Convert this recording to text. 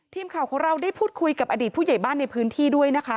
ทีมข่าวของเราได้พูดคุยกับอดีตผู้ใหญ่บ้านในพื้นที่ด้วยนะคะ